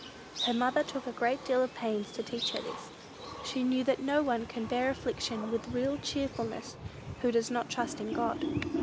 Her mother took a great deal of pains to teach her this. She knew that no one can bear affliction with real cheerfulness who does not trust in God.